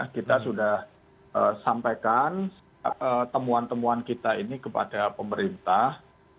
kita sudah sampaikan temuan temuan kita ini kepada pemerintah